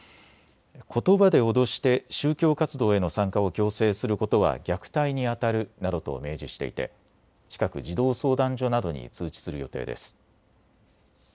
ことばで脅して宗教活動への参加を強制することは虐待にあたるなどと明示していて近く児童相談所などに通知する予定です。